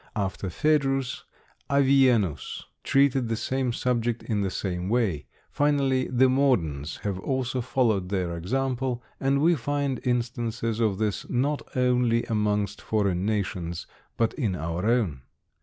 After Phædrus, Avienus treated the same subject in the same way; finally, the moderns have also followed their example, and we find instances of this not only amongst foreign nations, but in our own.